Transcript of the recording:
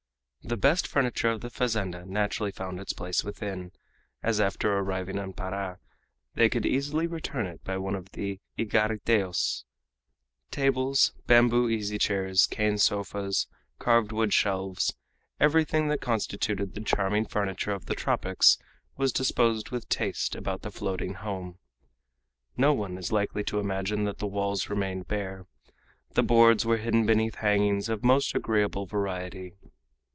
The best furniture of the fazenda naturally found its place within, as after arriving in Para they could easily return it by one of the igariteos. Tables, bamboo easy chairs, cane sofas, carved wood shelves, everything that constituted the charming furniture of the tropics, was disposed with taste about the floating home. No one is likely to imagine that the walls remained bare. The boards were hidden beneath hangings of most agreeable variety.